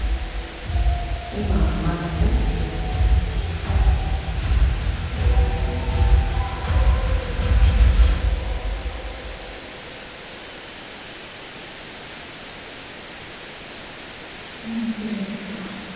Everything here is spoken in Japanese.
今はまだね何言ってるんですか